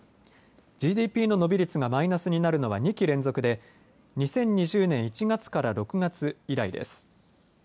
ＧＤＰの伸び率がマイナスになるのは２期連続で２０２０年１月から６月以来です。